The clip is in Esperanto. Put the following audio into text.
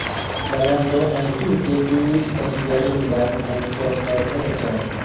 La lando entute ĝuis konsiderindan aŭtonomecon.